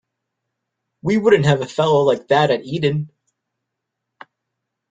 We wouldn't have a fellow like that at Eton.